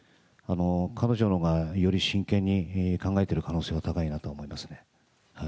彼女の場合、より真剣に考えている可能性は高いなと思いますね。